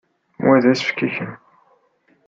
Wa d asefk i kemm.